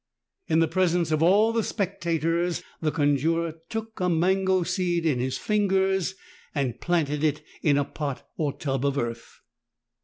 In the presence of all the spectators the conjurer took a mango seed in his fingers and planted it in a pot or tub of earth.